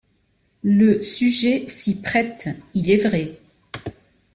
Le sujet s'y prête, il est vrai.